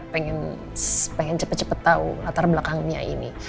iya karena tante juga pengen cepet cepet tahu latar belakang nia ini